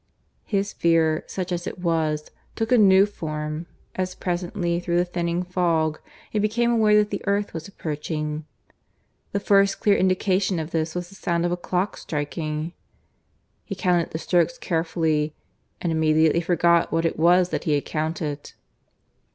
His fear, such as it was, took a new form, as presently through the thinning fog he became aware that the earth was approaching. The first clear indication of this was the sound of a clock striking. He counted the strokes carefully, and immediately forgot what it was that he had counted.